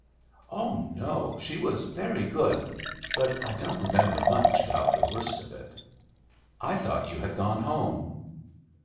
"Oh no; she was very good; but I don't remember much about the worst of it. I thought you had gone home."